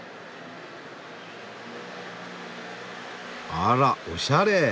あらおしゃれ！